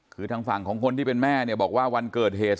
คือทางฝั่งของคนที่เป็นแม่เนี่ยบอกว่าวันเกิดเหตุ